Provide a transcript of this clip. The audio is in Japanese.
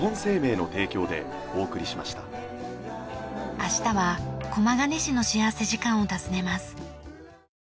明日は駒ヶ根市の幸福時間を訪ねます。